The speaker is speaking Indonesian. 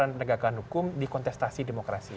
dan peran peran penegakan hukum dikontestasi demokrasi